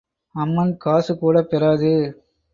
அம்மன் காசு கூடப் பெறாது.